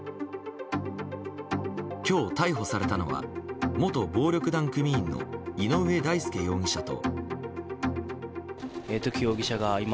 今日、逮捕されたのは元暴力団組員の井上大輔容疑者と。